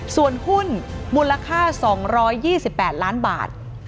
ส่วนหุ้นมูลค่า๒๒๘ล้านบาท